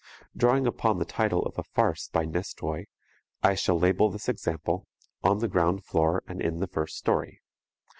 Drawing upon the title of a farce by Nestroy, I shall label this example "On the ground floor and in the first story."